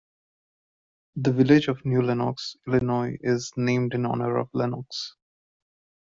The village of New Lenox, Illinois is named in honor of Lenox.